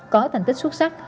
có thành tích xuất sắc